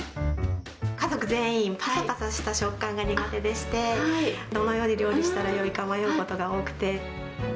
家族全員、ぱさぱさした食感が苦手でして、どのように料理したらよいか迷うことが多くて。